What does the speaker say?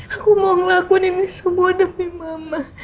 aku mau ngelakuin ini semua demi mama